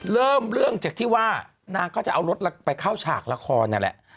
เริ่มเรื่องจากที่ว่านางก็จะเอารถไปเข้าฉากละครนั่นแหละ